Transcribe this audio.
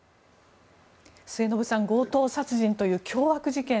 末延さん強盗殺人という凶悪事件。